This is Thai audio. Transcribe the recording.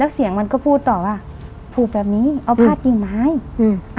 เสียงมันก็พูดต่อว่าผูกแบบนี้เอาผ้ากิ่งไม้อืม